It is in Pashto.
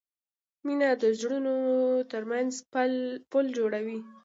مینه د زړونو ترمنځ پل جوړوي.